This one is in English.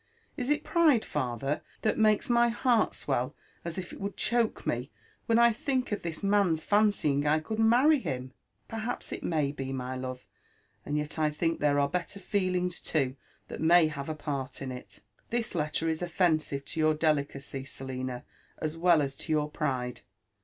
Is it pride, father, that makes my heart swell as if it would choke me when I think of this man's fancying I could marry him ?"*' Perhaps it may be, my love; and yet I think there are better feelings too that may have a part in it. This letter is offensive to your delicacy, Selina, as well as to your pride.